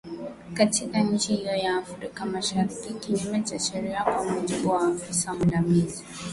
katika nchi hiyo ya Afrika Mashariki kinyume cha sheria kwa mujibu wa afisa mwandamizi